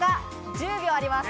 １０秒あります。